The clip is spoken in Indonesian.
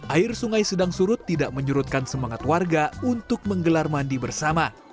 air sungai sedang surut tidak menyurutkan semangat warga untuk menggelar mandi bersama